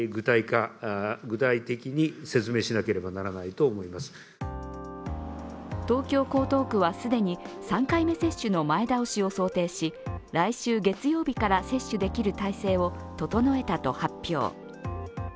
国会では東京・江東区は既に３回目接種の前倒しを想定し、来週月曜日から接種できる体制を整えたと発表。